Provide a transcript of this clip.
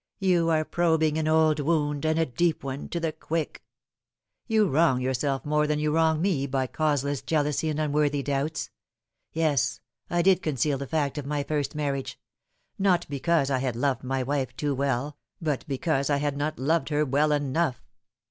" You are probing an old wound, and a deep one, to the quick. You wrong yourself more than you wrong me by causeless jealousy and unworthy doubts. Yes, I did conceal the fact of my first marriage not because I had loved my wife too 182 The Fatal Three. well, but because I had not loved her well enough.